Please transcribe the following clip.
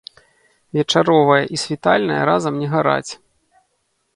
Вечаровая і світальная разам не гараць.